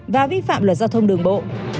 và vi phạm luật giao thông đường bộ